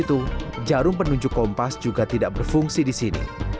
selain itu jarum penunjuk kompas juga tidak berfungsi di sini